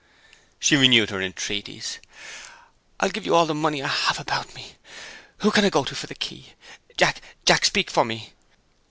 She renewed her entreaties. "I'll give you all the money I have about me! Who can I go to for the key? Jack! Jack! speak for me!"